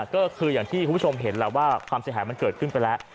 ก็คืออย่างที่คุณผู้ชมเห็นแหละว่าความเสียหายมันเกิดขึ้นไปแล้ว